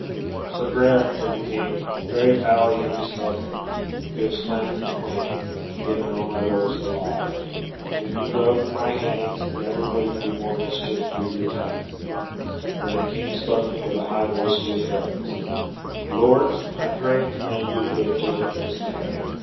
"Sir Graelent," said the King, "very foully have you spoken. You have slandered the Queen, and given all my lords the lie. When you go from my hands never will you do more mischief with your tongue." Then the King spoke with a high voice to his barons. "Lords, I pray and command you to give judgment in this matter.